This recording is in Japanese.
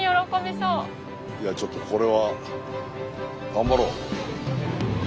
じゃあちょっとこれは頑張ろう。